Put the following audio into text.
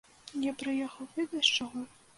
Я прыехаў ведаеш чаго?